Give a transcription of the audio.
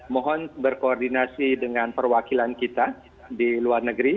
mohon berkoordinasi dengan perwakilan kita di luar negeri